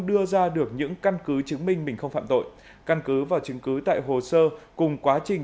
đưa ra được những căn cứ chứng minh mình không phạm tội căn cứ và chứng cứ tại hồ sơ cùng quá trình